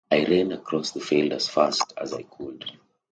I ran across the field as fast as I could.